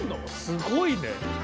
すごいね。